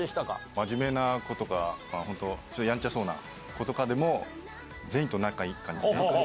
真面目な子とか、本当、やんちゃそうな子とかでも、全員と仲いい感じで。